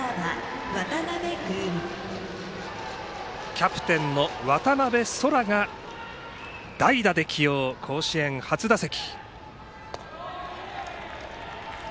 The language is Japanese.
キャプテンの渡部奏楽が代打で起用、甲子園初打席。